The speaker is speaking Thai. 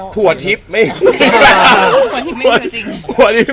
ผัวทิศไม่มีอยู่จริง